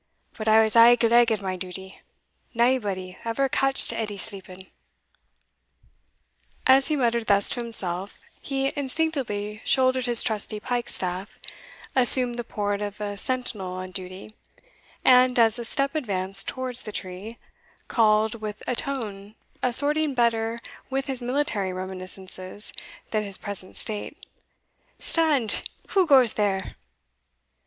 But I was aye gleg at my duty naebody ever catched Edie sleeping." As he muttered thus to himself, he instinctively shouldered his trusty pike staff, assumed the port of a sentinel on duty, and, as a step advanced towards the tree, called, with a tone assorting better with his military reminiscences than his present state "Stand! who goes there?"